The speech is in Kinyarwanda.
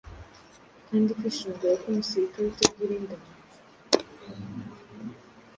Kandi kwishongora kwumusirikare utagira ingano